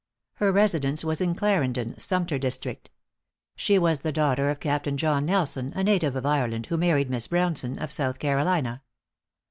Her residence was in Clarendon, Sumter District. She was the daughter of Captain John Nelson, a native of Ireland, who married Miss Brownson, of South Carolina.